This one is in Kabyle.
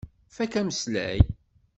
Fakk ameslay.